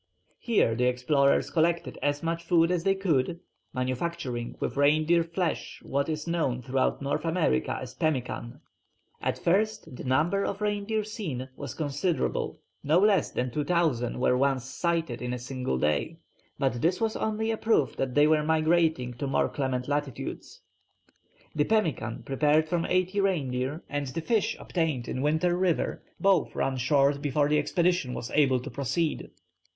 Here the explorers collected as much food as they could, manufacturing with reindeer flesh what is known throughout North America as pemmican. At first the number of reindeer seen was considerable; no less than 2000 were once sighted in a single day, but this was only a proof that they were migrating to more clement latitudes. The pemmican prepared from eighty reindeer and the fish obtained in Winter River both run short before the expedition was able to proceed.